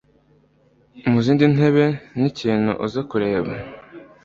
Mu zindi ntebe nikintu uze kureba